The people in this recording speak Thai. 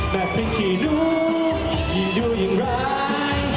แม่พริกขี่นู้ดูอย่างไร